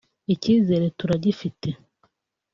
icyizere turagifite